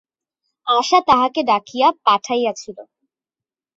আশা তাহাকে ডাকিয়া পাঠাইয়াছিল।